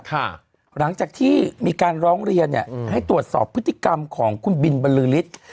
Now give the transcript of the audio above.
หลังจากที่มีการร้องเรียนเนี่ยให้ตรวจสอบพฤติกรรมของคุณบินบรรลือฤทธิ์